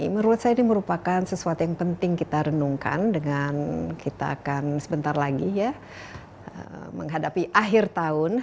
menurut saya ini merupakan sesuatu yang penting kita renungkan dengan kita akan sebentar lagi ya menghadapi akhir tahun